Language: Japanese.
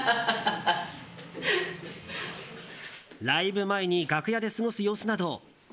ライブ前に楽屋で過ごす様子など